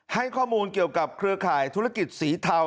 ให้ข้อมูลเกี่ยวกับเครือข่ายธุรกิจสีเทา